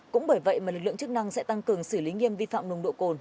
cũng bởi vậy mà lực lượng chức năng sẽ tăng cường xử lý nghiêm vi phạm nồng độ cồn